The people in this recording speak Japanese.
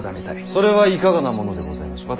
それはいかがなものでございましょう。